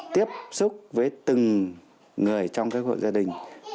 tiếp xúc với từng người trong cái hộ gia đình